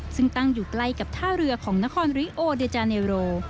ซึ่งตั้งอยู่ใกล้กับท่าเรือของนครริโอเดจาเนโร